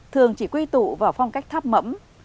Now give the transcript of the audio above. thường chỉ quy tụ vào phong cách tháp mẫm